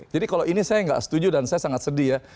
jadi kalau ini saya nggak setuju dan saya sangat sedih ya